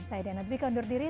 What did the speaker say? saya diana dwi kondur diri